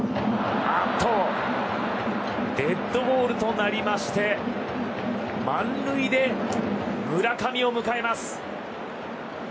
あっとデッドボールとなりまして満塁で村上を迎えます。